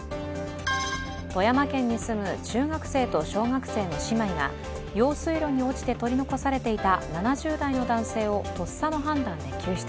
富山県に住む中学生と小学生の姉妹が用水路に落ちて取り残されていた７０代の男性をとっさの判断で救出。